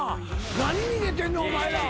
何逃げてんねんお前ら。